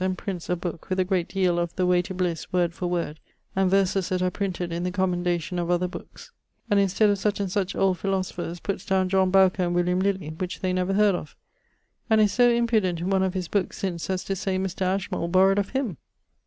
and prints a booke with a great deale of The way to blisse word for word and verses that are printed in the commendation of other bookes; and instead of such and such old philosophers putts downe John Bowker and William Lilly which they never heard of: and is so impudent in one of his bookes since as to say Mr. Ashmole borrowed of him.